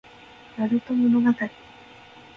なると物語